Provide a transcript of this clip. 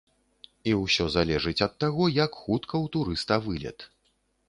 І ўсё залежыць ад таго, як хутка ў турыста вылет.